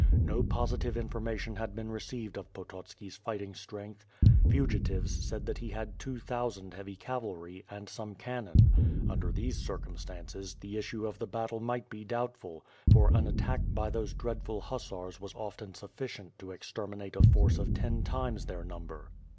No positive informa tion had been received of Pototski's fighting strenj^th. Vwn tives said that he had two thousand heavy cavalry, and somo cannon. Under these circumstances, the issue of the battle 1V/r// FtRPj AND i^WORD. jy^ might be doubtful, for an attack by those dreadful Hussars was often. sufficient to exterminate a force of ten times their number.